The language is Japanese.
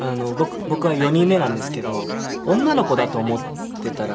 僕は４人目なんですけど女の子だと思っていたらしくてずっと。